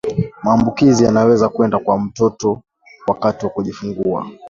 maambukizi yanaweza kwenda kwa mtoto wakati wa kujifungua